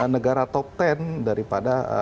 negara top ten daripada